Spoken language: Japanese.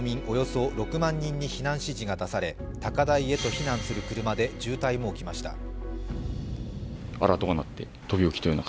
およそ６万人に避難指示が出され、高台へと避難する車で渋滞が起きました。